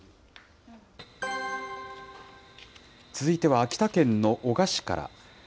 続いては秋田県の男鹿市から。